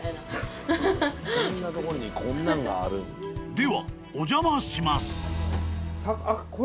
［ではお邪魔します］